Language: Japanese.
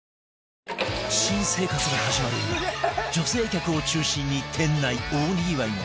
新生活が始まる今女性客を中心に店内大にぎわいの